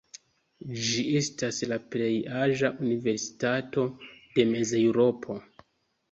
Ĝi estas la plej aĝa universitato de Mez-Eŭropo.